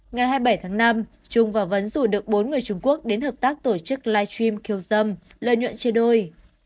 ngày hai mươi bảy tháng năm trung và vấn rủ được bốn người trung quốc đến hợp tác tổ chức live stream kiều dâm lợi nhuận chia đôi